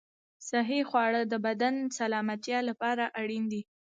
صحي خواړه د بدن سلامتیا لپاره اړین دي.